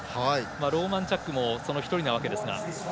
ローマンチャックもその１人なわけですが。